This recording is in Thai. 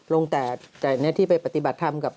ลงแต่ที่ไปปฏิบัติธรรมกับ